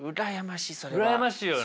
うらやましいよね。